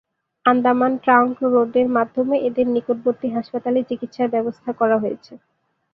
Andaman trunk রোডের মাধ্যমে এদেরকে নিকটবর্তী হাসপাতালে চিকিৎসার ব্যবস্থা করা হয়েছে।